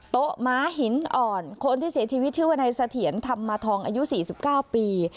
โต๊ะม้าหินอ่อนคนที่เสียชีวิตชื่อวนายสะเทียนทำมาทองอายุสี่สิบเก้าปี